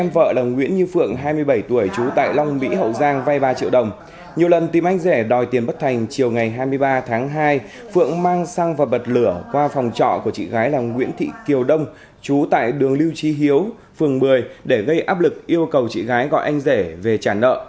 vợ là nguyễn như phượng hai mươi bảy tuổi trú tại long mỹ hậu giang vay ba triệu đồng nhiều lần tìm anh rẻ đòi tiền bất thành chiều ngày hai mươi ba tháng hai phượng mang xăng và bật lửa qua phòng trọ của chị gái là nguyễn thị kiều đông chú tại đường lưu trí hiếu phường một mươi để gây áp lực yêu cầu chị gái gọi anh rể về trả nợ